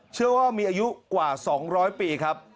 เชื่อว่ามีอายุกว่า๒๐๐ปีครับ